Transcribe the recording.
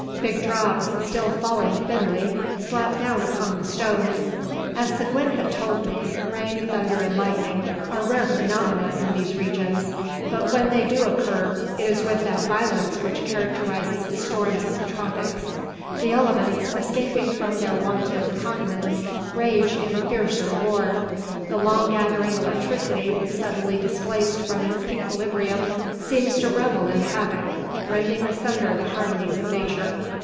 Big drops, still falling thinly, slapped down upon the stones. As Seguin had told me, rain, thunder, and lightning are rare phenomena in these regions; but when they do occur, it is with that violence which characterises the storms of the tropics. The elements, escaping from their wonted continence, rage in fiercer war. The long gathering electricity, suddenly displaced from its equilibrium, seems to revel in havoc, rending asunder the harmonies of nature.